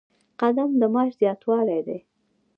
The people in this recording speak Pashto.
قدم د معاش زیاتوالی دی